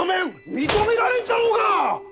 認められんじゃろうが！